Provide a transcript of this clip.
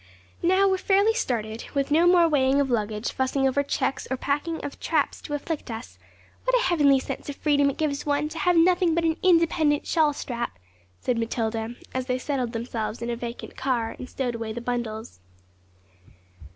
'Now we are fairly started, with no more weighing of luggage, fussing over checks, or packing of traps to afflict us. What a heavenly sense of freedom it gives one, to have nothing but an independent shawl strap!' said Matilda, as they settled themselves in a vacant car, and stowed away the bundles.